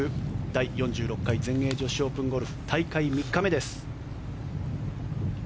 第４６回全英女子オープンゴルフ大会３日目です。